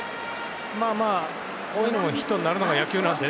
こういうのがヒットになるのが野球なので。